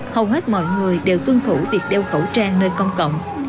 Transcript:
hầu hết mọi người đều tuân thủ việc đeo khẩu trang nơi công cộng